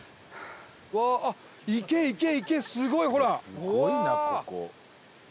「すごいなここ」